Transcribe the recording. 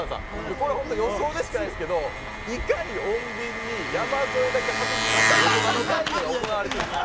これは本当予想でしかないんですけどいかに穏便に山添だけ外すかっていう大人の会議が行われてるんですよ。